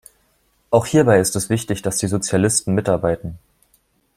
Auch hierbei ist es wichtig, dass die Sozialisten mitarbeiten.